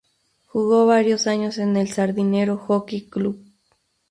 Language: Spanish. Jugó varios años en el Sardinero Hockey Club.